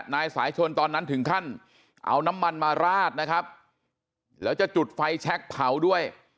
นายสายชนตอนนั้นถึงขั้นเอาน้ำมันมาราดนะครับแล้วจะจุดไฟแชคเผาด้วย